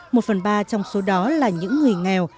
một phần ba trong số đó là những người nghèo